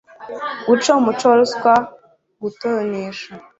guca umuco wa ruswa, gutonesha